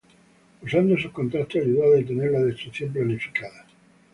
Usando sus contactos ayudó a detener la destrucción planificada.